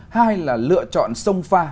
hai là lựa chọn sông pha